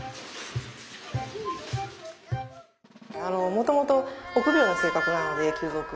もともと臆病な性格なので臼三君は。